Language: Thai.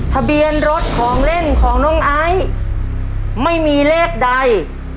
ทะเบียนรถของเล่นของน้องไอซ์ไม่มีเลขใด